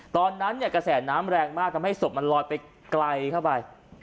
ตอนนั้นเนี่ยกระแสน้ำแรงมากทำให้ศพมันลอยไปไกลเข้าไป